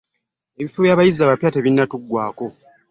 Ebifo by'abayizi abapya tebinnatuggwaako.